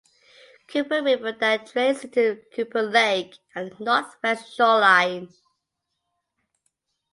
Cooper River then drains into Cooper Lake at the northwest shoreline.